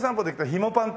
ひもパン。